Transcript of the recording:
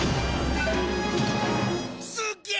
すっげえ！